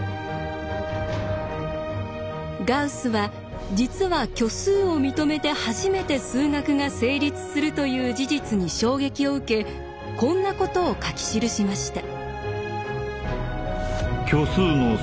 ガウスは実は虚数を認めて初めて数学が成立するという事実に衝撃を受けこんなことを書き記しました。